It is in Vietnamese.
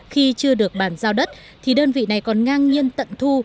khi chưa được bàn giao đất thì đơn vị này còn ngang nhiên tận thu